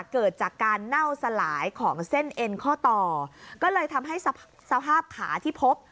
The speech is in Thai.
เกิดจากการเน่าสลายของเส้นเอ็นข้อต่อก็เลยทำให้สภาพขาที่พบ